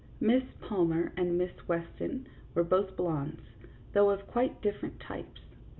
Miss Palmer and Miss Weston were both blondes, though of quite different types.